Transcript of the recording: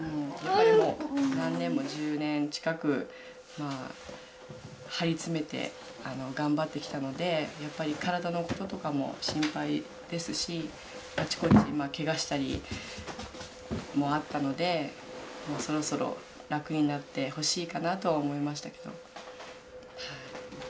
何年も１０年近く張り詰めて頑張ってきたのでやっぱり体のこととかも心配ですしあちこちケガしたりもあったのでそろそろ楽になってほしいかなとは思いましたけど。